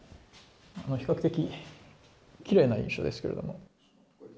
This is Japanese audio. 比較的きれいな印象ですけれども。